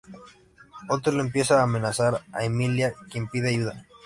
Otelo empieza a amenazar a Emilia, quien pide ayuda.